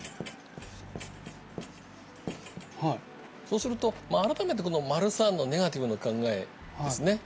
そうすると改めてこの③の「ネガティブな考え」ですね